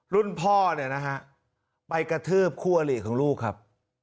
รุ่นพ่อเนี่ยนะฮะไปกระทืบคู่อลิของลูกครับ